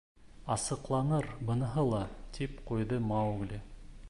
— Асыҡланыр быныһы ла, — тип ҡуйҙы Маугли.